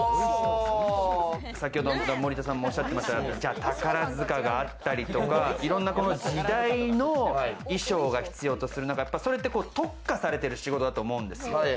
先ほど森田さんもおっしゃっていましたが、宝塚があったりとか、いろんな時代の衣装が必要とする中、特化されてる仕事だと思うんですね。